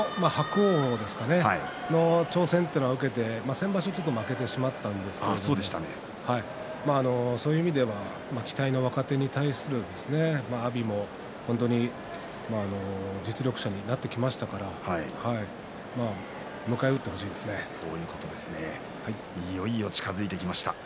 桜鵬の挑戦を受けて先場所はちょっと負けてしまったんですけれどそういう意味では期待の若手に対する、阿炎も本当に実力者になってきましたからいよいよ近づいてきました。